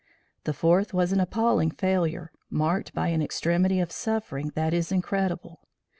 The fourth was an appalling failure, marked by an extremity of suffering that is incredible.